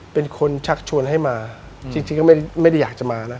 เป็นคนชักชวนให้มาจริงก็ไม่ได้อยากจะมานะ